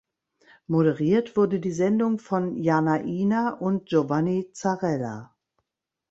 Moderiert wurde die Sendung von Jana Ina und Giovanni Zarrella.